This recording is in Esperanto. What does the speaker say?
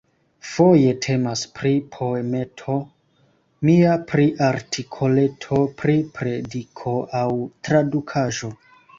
Foje temas pri poemeto mia, pri artikoleto, pri prediko aŭ tradukaĵo.